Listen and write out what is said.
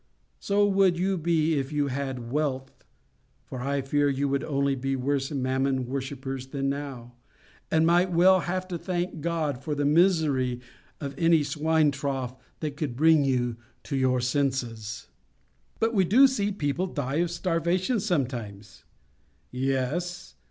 So would you be if you had wealth, for I fear you would only be worse Mammon worshippers than now, and might well have to thank God for the misery of any swine trough that could bring you to your senses. "But we do see people die of starvation sometimes,—Yes.